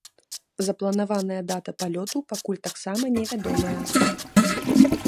Запланаваная дата палёту пакуль таксама не вядомая.